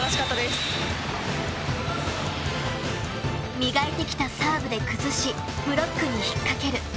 磨いてきたサーブで崩しブロックに引っかける。